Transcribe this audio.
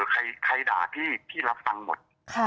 ใครด่าพี่พี่รับฟังหมด